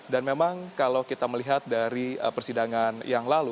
dan memang kalau kita melihat dari persidangan yang lalu